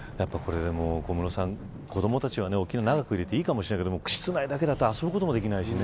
小室さん、子どもたちは沖縄に長くいれていいかもしれないけど室内だけだと遊ぶこともできないしね。